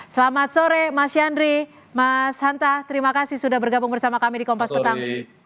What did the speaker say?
selamat sore mas yandri mas hanta terima kasih sudah bergabung bersama kami di kompas petang